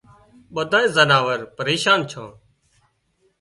ٻڌانئي زناور پريشان ڇان